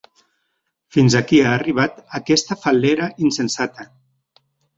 Fins aquí ha arribat aquesta fal·lera insensata?